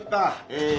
え。